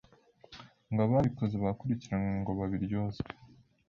ngo ababikoze bakurikiranwe ngo babiryozwe.